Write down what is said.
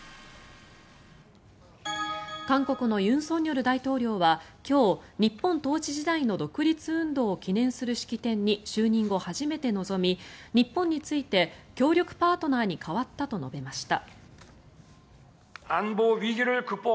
韓国の尹錫悦大統領は今日日本統治時代の独立運動を記念する式典に就任後初めて臨み日本について協力パートナーに変わったと述べました。